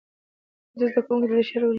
زده کوونکي دې شعر ولولي.